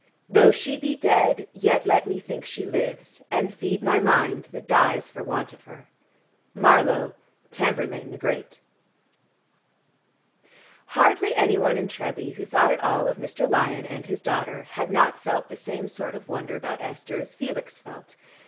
Though she be dead, yet let me think she lives, And feed my mind, that dies for want of her. MARLOWE: Tamburlaine the Great. Hardly any one in Treby who thought at all of Mr. Lyon and his daughter had not felt the same sort of wonder about Esther as Felix felt.